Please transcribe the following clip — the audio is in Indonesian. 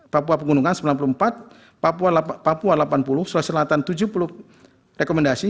papua pegunungan sembilan puluh empat papua delapan puluh sulawesi selatan tujuh puluh rekomendasi